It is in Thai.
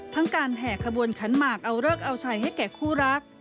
ทั้งการแห่ขบวนขันหมากเอาเลิกเอาชัยให้แก่คู่รัก